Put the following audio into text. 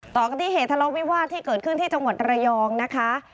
ต่อกันที่เหตุทะเลาวิวาสที่เกิดขึ้นที่จังหวัดระยองนะคะ